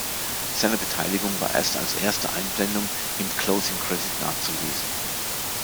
Seine Beteiligung war erst als erste Einblendung im Closing Credit nachzulesen.